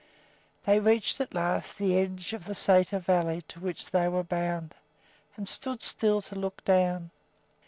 They reached at last the edge of the sæter valley to which they were bound, and stood still to look down.